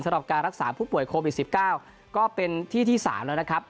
สำหรับการรักษาผู้ป่วยโควิด๑๙ก็เป็นที่ที่๓แล้วนะครับ